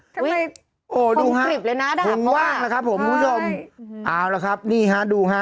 ทำไมโอ้ดูฮะคงว่างหรือครับผมคุณผู้ชมอะหรับครับนี่อย่างนี้ดูฮะ